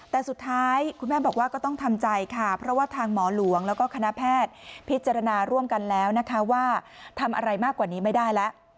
แต่สุดท้ายคุณแม่บอกว่าก็ต้องทำใจค่ะเพราะว่าทางหมอหลวงแล้วก็คณะแพทย์พิจารณาร่วมกันแล้วนะคะว่าทำอะไรมากกว่านี้ไม่ได้แล้ว